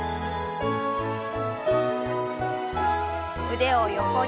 腕を横に。